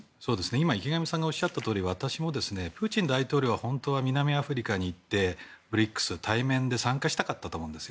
今、池上さんがおっしゃったとおり私もプーチン大統領は本当は南アフリカに行ってＢＲＩＣＳに対面で参加したかったと思います。